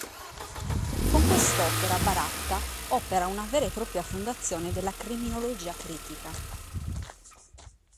Con quest'opera Baratta opera una vera e propria fondazione della criminologia critica.